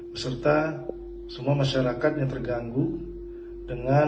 beserta semua masyarakat yang terganggu dengan